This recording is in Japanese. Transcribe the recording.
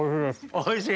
「おいしい」。